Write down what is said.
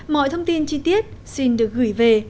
mọi thông tin chi tiết xin được gửi về